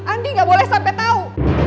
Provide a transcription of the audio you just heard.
andi gak boleh sampai tahu